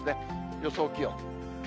予想気温。